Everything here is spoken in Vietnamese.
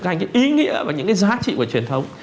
thành cái ý nghĩa và những cái giá trị của truyền thống